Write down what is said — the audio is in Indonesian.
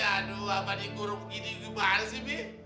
aduh apa dikurung gini gini bahan sih mi